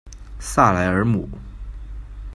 萨莱尔姆。